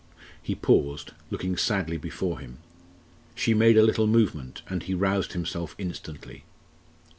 He paused, looking sadly before him. She made a little movement, and he roused himself instantly.